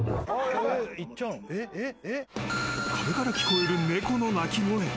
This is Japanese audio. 壁から聞こえる猫の鳴き声。